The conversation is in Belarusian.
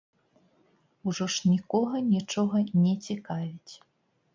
Ужо ж нікога нічога не цікавіць.